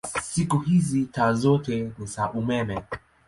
Siku hizi taa zote ni za umeme.